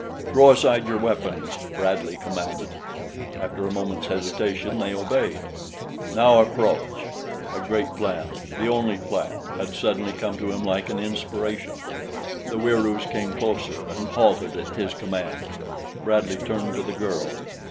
"Throw aside your weapons," Bradley commanded. After a moment's hesitation they obeyed. "Now approach!" A great plan the only plan had suddenly come to him like an inspiration. The Wieroos came closer and halted at his command. Bradley turned to the girl.